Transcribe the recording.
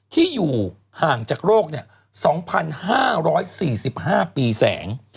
ที่อยู่ห่างจากโรค๒๕๔๕ปีแสง